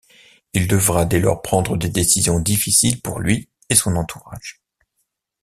Il devra dès lors prendre des décisions difficiles pour lui et son entourage.